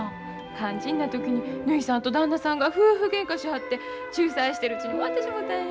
肝心な時にぬひさんと旦那さんが夫婦げんかしはって仲裁してるうちに終わってしもたんや。